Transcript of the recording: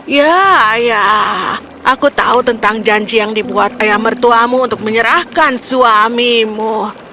ya ya aku tahu tentang janji yang dibuat ayah mertuamu untuk menyerahkan suamimu